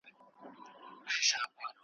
زما له لوري یې خبر کړی محتسب او ملاجان ,